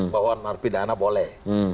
bahwa narfi dana boleh